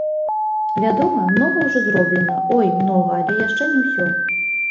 Вядома, многа ўжо зроблена, ой, многа, але яшчэ не ўсё.